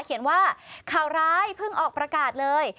เขียนว่าข่าวร้ายเพิ่งออกประกาศเลย